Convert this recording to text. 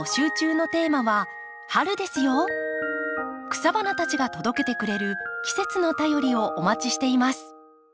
草花たちが届けてくれる季節の便りをお待ちしています。